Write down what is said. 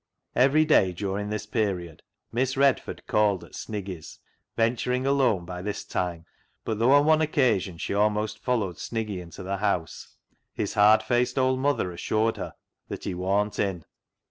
Every day during this period Miss Redford called at Sniggy's, venturing alone by this time, but though on one occasion she almost followed Sniggy into the house, his hard faced old mother assured her that he " worn't in."